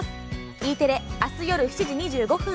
Ｅテレあす夜７時２５分。